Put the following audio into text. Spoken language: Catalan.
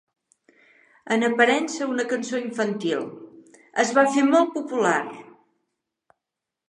En aparença una cançó infantil, es va fer molt popular.